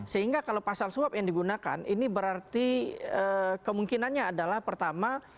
sehingga kalau pasal suap yang digunakan ini berarti kemungkinannya adalah pertama